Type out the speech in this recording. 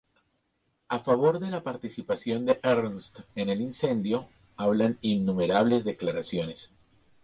A favor de la participación de Ernst en el Incendio hablan innumerables declaraciones.